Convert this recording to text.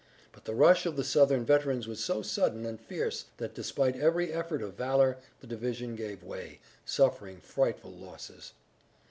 But the rush of the Southern veterans was so sudden and fierce that despite every effort of valor the division gave way, suffering frightful losses.